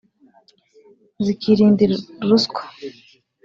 zikirinda ruswa